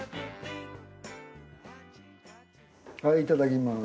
はいいただきます。